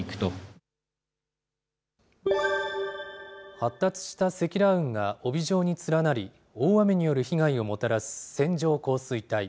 発達した積乱雲が帯状に連なり、大雨による被害をもたらす線状降水帯。